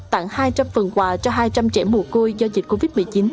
tặng hai trăm linh phần quà cho hai trăm linh trẻ mùa côi do dịch covid một mươi chín